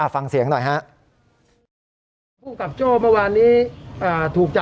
ฟังเสียงหน่อยฮะ